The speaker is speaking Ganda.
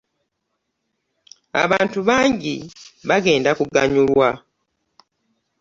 Abantu bangi bagenda kuganyulwa.